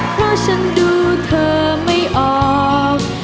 เพราะฉันดูเธอไม่ออก